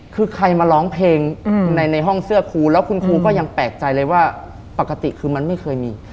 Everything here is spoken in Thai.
คือใครมาร้องเพลงในห้องเสื้อครูแล้วคุณครูก็ยังแปลกใจเลยว่าปกติคือมันไม่เคยมี